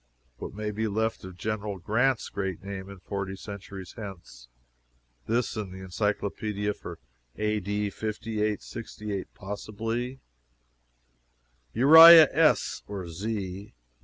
What may be left of General Grant's great name forty centuries hence? This in the Encyclopedia for A. D. 5868, possibly: "URIAH S. (or Z.)